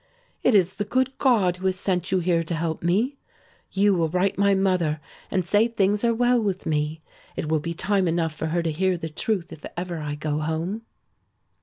"It is the good God who has sent you here to help me. You will write my mother and say things are well with me. It will be time enough for her to hear the truth if I ever go home."